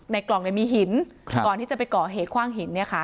กล่องมีหินก่อนที่จะไปก่อเหตุคว่างหินเนี่ยค่ะ